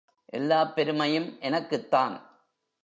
எல்லாப் பெருமையும் எனக்குத்தான்.